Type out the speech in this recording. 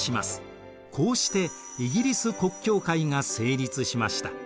こうしてイギリス国教会が成立しました。